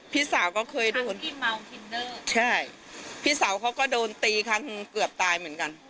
พี่สาวก็เคยโดนใช่พี่สาวเขาก็โดนตีครั้งเกือบตายเหมือนกัน